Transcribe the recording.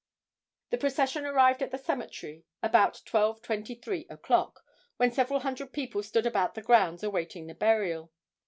The procession arrived at the cemetery about 12:23 o'clock, when several hundred people stood about the grounds awaiting the burial.